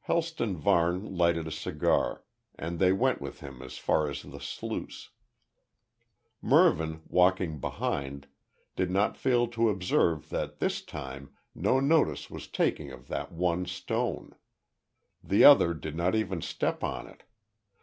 Helston Varne lighted a cigar, and they went with him as far as the sluice. Mervyn, walking behind, did not fail to observe that this time no notice was taken of that one stone. The other did not even step on it.